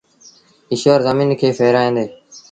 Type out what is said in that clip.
ايٚشور زميݩ کي ڦآڙيآندي۔